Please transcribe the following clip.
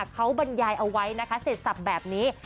เขาบรรยายเอาไว้นะคะเสร็จสับแบบนี้